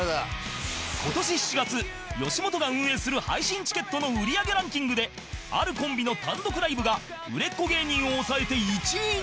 今年７月吉本が運営する配信チケットの売り上げランキングであるコンビの単独ライブが売れっ子芸人を抑えて１位に